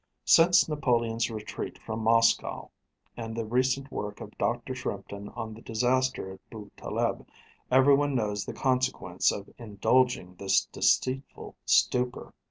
Since Napoleon's retreat from Moscow, and the recent work of Dr Shrimpton on the disaster at Boo Taleb, every one knows the consequence of indulging this deceitful stupor.